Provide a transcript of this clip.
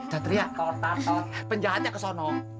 satria penjahatnya ke sana